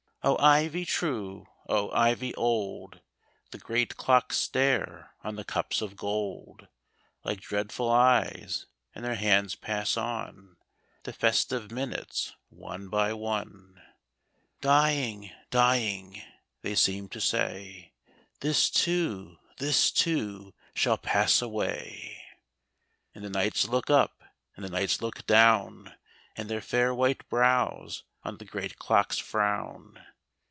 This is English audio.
O, Ivy true, O, Ivy old. The great clocks stare on the cups of gold Like dreadful eyes, and their hands pass on The festive minutes, one by one. THE CLOCKS OF KENILWORTH. 79 —" Dying — dying," they seem to say —" This too — this too — shall pass away," And the knights look up, and the knights look down, And their fair white brows on the great clocks frown.